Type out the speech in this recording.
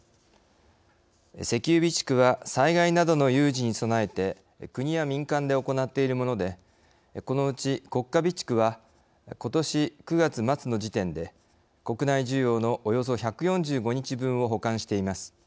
石油備蓄は災害などの有事に備えて国や民間で行っているものでこのうち国家備蓄はことし９月末の時点で国内需要のおよそ１４５日分を保管しています。